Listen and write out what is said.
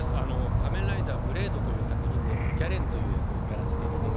「仮面ライダー剣」という作品でギャレンという役をやらせて頂いてました。